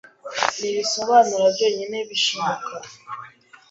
Nibisobanuro byonyine bishoboka.